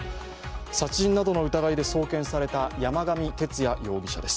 殺人などの疑いで送検された山上徹也容疑者です。